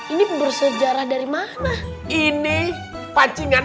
ini berapa harga